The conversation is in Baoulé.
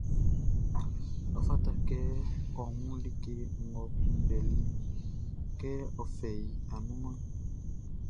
Ɔ fata kɛ ɔ wun like ngʼɔ kunndɛliʼn, kɛ ɔ fɛ i annunmanʼn.